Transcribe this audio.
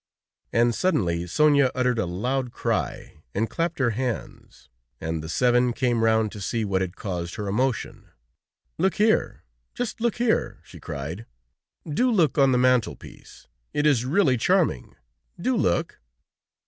And suddenly Sonia uttered a loud cry, and clapped her hands, and the seven came round to see what had caused her emotion. "Look here! Just look here!" she cried. "Do look on the mantel piece! It is really charming! Do look!"